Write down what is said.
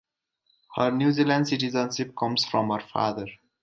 Her New Zealand citizenship comes from her father.